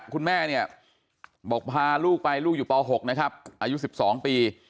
คุณแม่เนี่ยบอกพาลูกไปลูกอยู่ป๖นะครับอายุ๑๒ปี